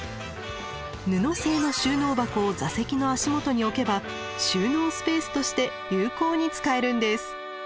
布製の収納箱を座席の足元に置けば収納スペースとして有効に使えるんです。